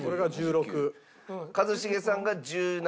一茂さんが１７。